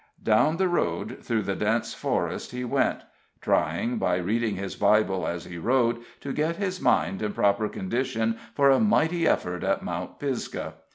Down the road through the dense forest he went, trying, by reading his Bible as he rode, to get his mind in proper condition for a mighty effort at Mount Pisgah.